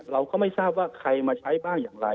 เราก็ไม่ทราบว่าใครมาใช้บ้างอย่างไร